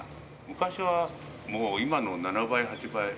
昔は、もう今の７倍、８倍。